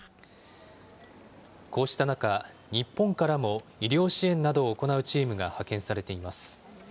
こうした中、日本からも医療支援などを行うチームが派遣されています。